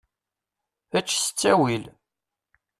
Ečč s ttawil.